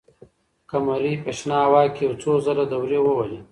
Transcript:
قمري په شنه هوا کې یو څو ځله دورې ووهلې.